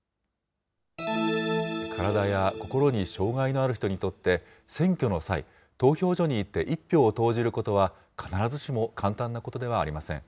体や心に障害がある人にとって、選挙の際、投票所に行って、１票を投じることは、必ずしも簡単なことではありません。